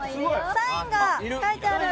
サインが書いてある！